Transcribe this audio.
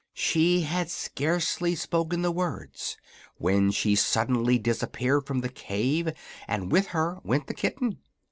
She had scarcely spoken the words when she suddenly disappeared from the cave, and with her went the kitten.